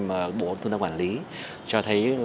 mà bộ công thương đã quản lý cho thấy